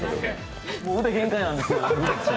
もう腕限界なんですよ。